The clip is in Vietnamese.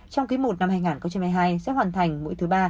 trong ký một năm hai nghìn một mươi hai sẽ hoàn thành mũi thứ ba